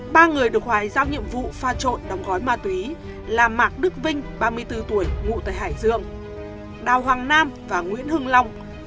ba người được hoài giao nhiệm vụ pha trộn đóng gói ma túy là mạc đức vinh ba mươi bốn tuổi ngụ tại hải dương đào hoàng nam và nguyễn hưng long